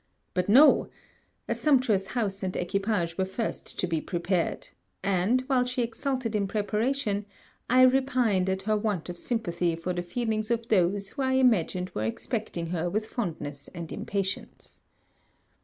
But no: a sumptuous house and equipage were first to be prepared; and, while she exulted in preparation, I repined at her want of sympathy for the feelings of those who I imagined were expecting her with fondness and impatience.